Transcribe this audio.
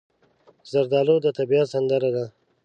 زردالو د طبیعت سندره ده.